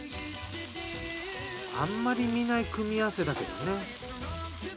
あんまり見ない組み合わせだけどね。